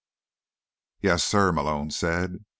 "Yes, sir," Malone said.